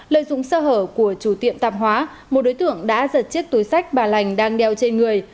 lợi dụng sơ hở của chủ tiệm tạp hóa một đối tượng đã giật chiếc túi sách bà lành đang đeo trên người